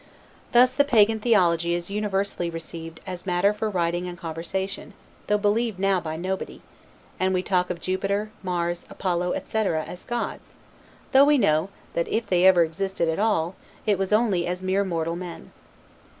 Thus the Pagan theology is universally received as matter for writing and conversation, though believed now by nobody; and we talk of Jupiter, Mars, Apollo, etc., as gods, though we know, that if they ever existed at all, it was only as mere mortal men.